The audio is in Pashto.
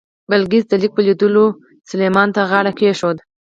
بلقیس د لیک په لیدلو سلیمان ته غاړه کېښوده.